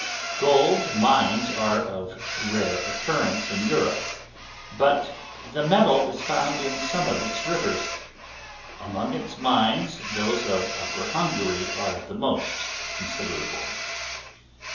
Gold mines are of rare occurrence in Europe, but the metal is found in some of its rivers; among its mines, those of Upper Hungary are the most considerable.